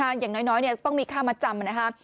ใช่ไหมฮะอย่างน้อยต้องมีค่ามาจำนะฮะ